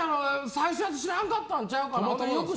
最初は知らんかったんちゃうかな。